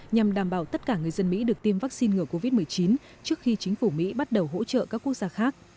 nhằm đảm bảo tất cả người dân mỹ được tiêm vaccine ngừa covid một mươi chín trước khi chính phủ mỹ bắt đầu hỗ trợ các quốc gia khác